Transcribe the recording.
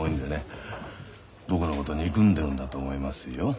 僕のこと憎んでるんだと思いますよ。